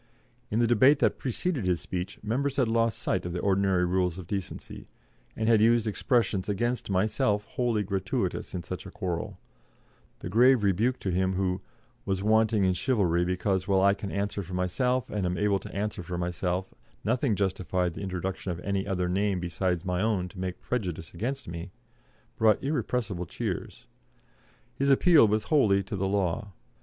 In the debate that preceded his speech, members had lost sight of the ordinary rules of decency, and had used expressions against myself wholly gratuitous in such a quarrel; the grave rebuke to him who "was wanting in chivalry, because, while I can answer for myself and am able to answer for myself, nothing justified the introduction of any other name beside my own to make prejudice against me," brought irrepressible cheers. His appeal was wholly to the law.